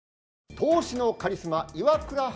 投資のカリスマ岩倉悠